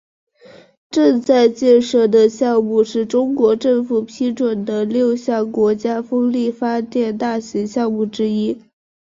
正在建设中的项目是中国政府批准的六项国家风力发电大型项目之一。